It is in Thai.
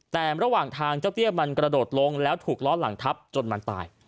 แต่ระหว่างทางเจ้าเตี้ยมันกระโดดลงแล้วถูกล้อหลังทับจนมันตาย